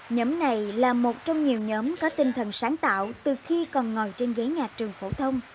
nhóm này là một trong nhiều nhóm có tinh thần sáng tạo từ khi còn ngồi trên ghế nhà trường phổ thông